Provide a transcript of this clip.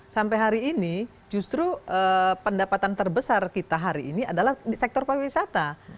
sampai hari ini justru pendapatan terbesar kita hari ini adalah di sektor pariwisata